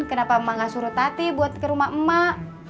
kenapa mak enggak suruh tati buat ke rumah mak